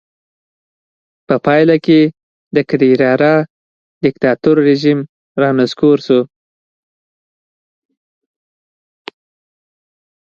په پایله کې د کرېرارا دیکتاتور رژیم رانسکور شو.